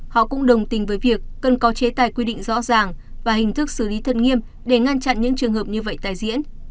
họ cũng đồng tình với việc cần có chế tài quy định rõ ràng và hình thức xử lý thật nghiêm để ngăn chặn những trường hợp như vậy tài diễn